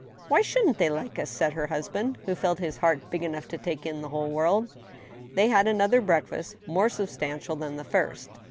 " Why shouldn't they like us?" said her husband, who felt his heart big enough to take in the whole world. They had another breakfast, more substantial than the first.